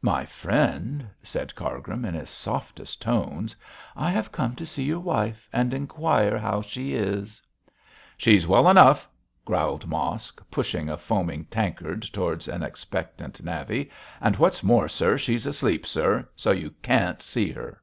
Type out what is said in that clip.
'My friend,' said Cargrim, in his softest tones, 'I have come to see your wife and inquire how she is.' 'She's well enough,' growled Mosk, pushing a foaming tankard towards an expectant navvy, 'and what's more, sir, she's asleep, sir, so you can't see her.'